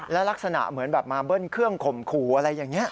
และลักษณะเหมือนแบบมาเบิ้ลเครื่องข่มขู่อะไรอย่างนี้